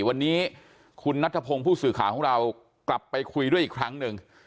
วันนี้คุณนัทพงศ์ผู้สื่อข่าวของเรากลับไปคุยด้วยอีกครั้งหนึ่ง